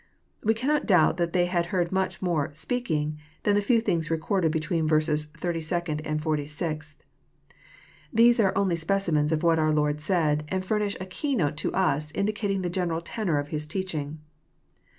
We cannot doubt that they bad heard much more speaking" than the few things recorded between verses 82nd and 46th. These are only specimens of what our Lord said, and furnish a keynote to us indicating the general tenor of His teaching.